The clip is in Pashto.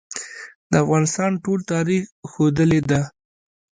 د افغانستان ټول تاریخ ښودلې ده.